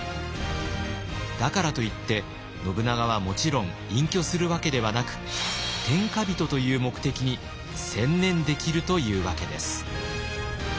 だからといって信長はもちろん隠居するわけではなく天下人という目的に専念できるというわけです。